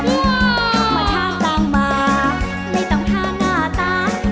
ถ้ามันท่านต่างมาไม่ต้องท่านหน้าตา